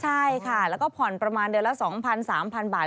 ใช่ค่ะแล้วก็ผ่อนประมาณเดือนละ๒๐๐๓๐๐บาท